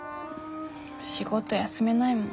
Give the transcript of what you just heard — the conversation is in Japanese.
仕事休めないもん。